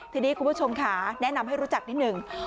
ทีนี้คุณผู้ชมค่ะแนะนำให้รู้จักนิดหนึ่ง